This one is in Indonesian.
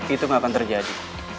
itu enggak akan terjadi